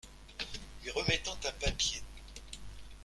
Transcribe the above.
Lui remettant un papier.